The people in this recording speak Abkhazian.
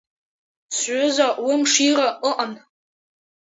Сҩыза лымшира ыҟан…